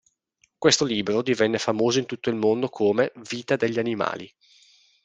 Questo libro divenne famoso in tutto il mondo come "Vita degli Animali".